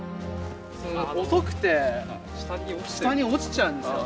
遅くて下に落ちちゃうんですよ。